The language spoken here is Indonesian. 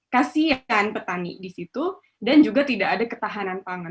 kasian petani di situ dan juga tidak ada ketahanan pangan